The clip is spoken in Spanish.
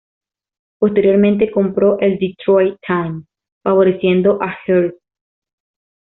Posteriormente compró el "Detroit Times" favoreciendo a Hearst.